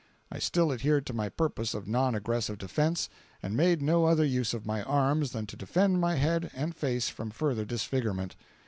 I still adhered to my purpose of non aggressive defence, and made no other use of my arms than to defend my head and face from further disfigurement.